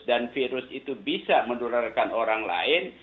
dan virus itu bisa mendularkan orang lain